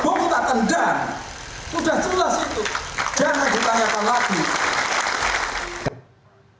jangan ditanyakan lagi